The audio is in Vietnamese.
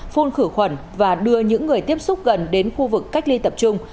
phun khử khuẩn và đưa những người tiếp xúc gần đến khu vực cách ly tập trung